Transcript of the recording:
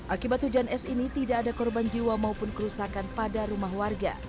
akibat hujan es ini tidak ada korban jiwa maupun kerusakan pada rumah warga